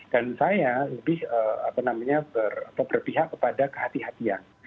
dan saya lebih berpihak kepada kehatian